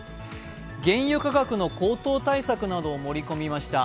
原油価格の高騰対策などを盛り込みました